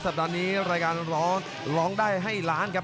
ปัดนี้รายการร้องได้ให้ล้านครับ